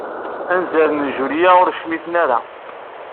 Anzaren n Julia ur cmiten ara.